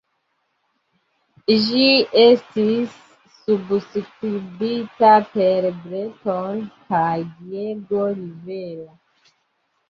Ĝi estis subskribita per Breton kaj Diego Rivera.